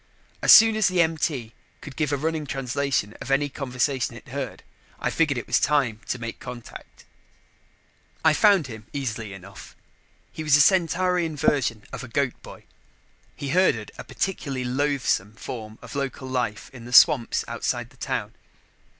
As soon as the MT could give a running translation of any conversation it heard, I figured it was time to make a contact. I found him easily enough. He was the Centaurian version of a goat boy he herded a particularly loathsome form of local life in the swamps outside the town.